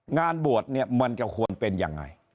งานบวชเนี่ยมันจะควรเป็นยังไง